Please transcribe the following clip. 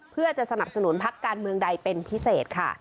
เพื่อจะสนับสนุนพักการเมืองใดเป็นพิเศษค่ะ